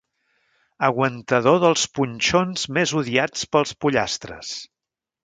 Aguantador dels punxons més odiats pels pollastres.